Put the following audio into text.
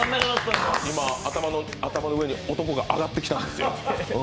今、頭の上に男が上がってきたんですよ。